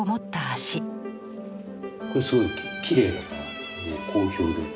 これすごいきれいだから好評で。